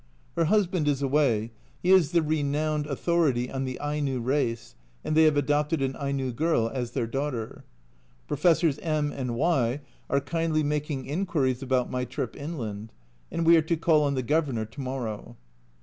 Her husband is away ; he is the renowned 12 A Journal from Japan authority on the Aino race, and they have adopted an Aino girl as their daughter. Professors My and Y are kindly making inquiries about my trip inland, and we are to call on the Governor to morrow.